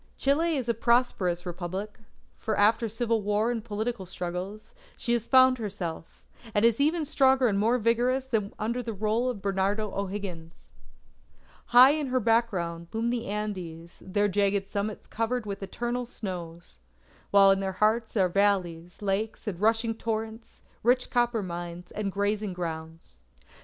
Chile is a prosperous Republic; for after civil war and political struggles, she has found herself, and is even stronger and more vigorous than when under the rule of Bernardo O'Higgins. High in her background loom the Andes, their jagged summits covered with eternal snows; while in their hearts are valleys, lakes, and rushing torrents, rich copper mines, and grazing grounds.